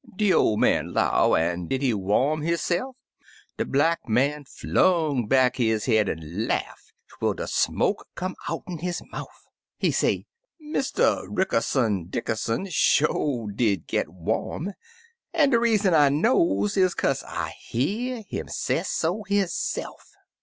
De ol' man 'low, 'An' did he warai his se'f ?' De Black Man flung back his head, an' laugh twel de smoke came out'n his mouf. He say, 'Mr. Rickerson Dickerson sho' did git warai, an' de reason I knows is kaze I hear 'im sesso hisse'f